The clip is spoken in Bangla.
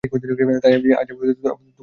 তাই আজ আমি আবার তোমার নিকট তাহা বলিতেছি।